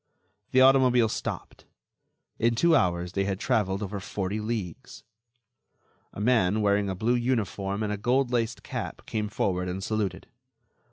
The automobile stopped. In two hours they had traveled over forty leagues. A man, wearing a blue uniform and a goldlaced cap, came forward and saluted.